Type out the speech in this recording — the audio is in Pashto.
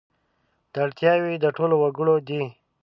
دا اړتیاوې د ټولو وګړو دي.